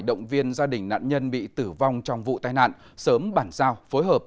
động viên gia đình nạn nhân bị tử vong trong vụ tai nạn sớm bản giao phối hợp